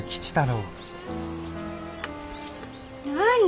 何？